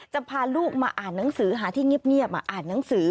พาลูกมาอ่านหนังสือหาที่เงียบอ่านหนังสือ